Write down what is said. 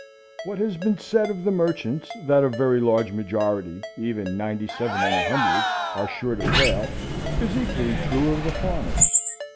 What has been said of the merchants, that a very large majority, even ninety seven in a hundred, are sure to fail, is equally true of the farmers.